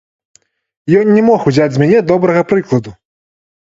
Ён не мог узяць з мяне добрага прыкладу.